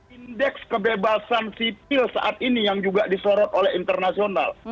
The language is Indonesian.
indeks kebebasan sipil saat ini yang juga disorot oleh internasional